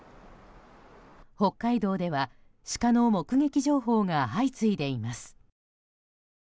北海道ではシカの目撃情報が相次いでいます。